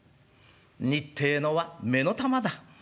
二ってえのは目の玉だ」。